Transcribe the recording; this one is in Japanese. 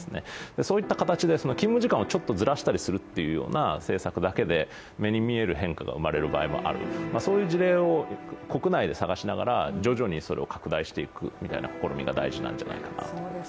そういった形で、勤務時間をちょっとずらしたりするだけで目に見える変化が生まれる場合がある、そういう事例を国内で探しながら徐々にそれを拡大していくみたいな試みが大事なんじゃないかなと思います。